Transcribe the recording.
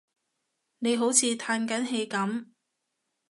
你好似歎緊氣噉